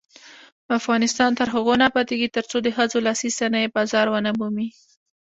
افغانستان تر هغو نه ابادیږي، ترڅو د ښځو لاسي صنایع بازار ونه مومي.